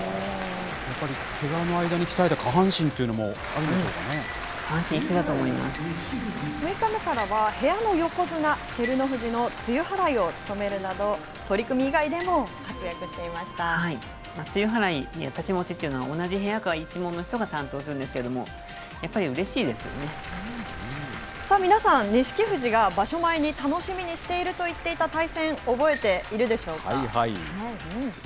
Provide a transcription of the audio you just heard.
やっぱりけがの間に鍛えた下半身というのもあるんでしょうか６日目からは、部屋の横綱・照ノ富士の露払いを務めるなど、取組以外でも活躍し露払い、太刀持ちっていうのは同じ部屋か一門の人が担当するんですけれど皆さん、錦富士が場所前に楽しみにしていると言っていた対戦、覚えているでしょうか。